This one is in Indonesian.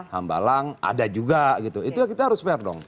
hambalang ada juga gitu itu kita harus fair dong